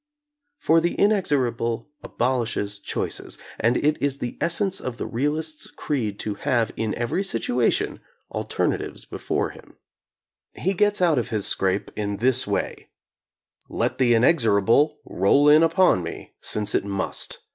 For the inexorable abolishes choices, and it is the essence of the realist's creed to have, in every sit uation, alternatives before him. He gets out of his scrape in this way: Let the inexorable roll in upon me, since it must.